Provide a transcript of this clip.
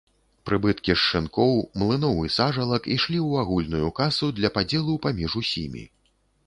Прыбыткі з шынкоў, млыноў і сажалак ішлі ў агульную касу для падзелу паміж усімі.